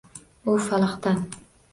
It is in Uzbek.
U falaqdan